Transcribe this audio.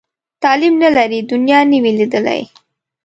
تعلیم نه لري، دنیا نه وي لیدلې.